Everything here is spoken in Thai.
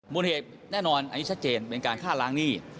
เหตุแน่นอนอันนี้ชัดเจนเป็นการฆ่าล้างหนี้